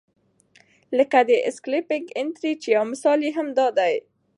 لکه د سکیلپنګ انټري چې یو مثال یې هم دا دی.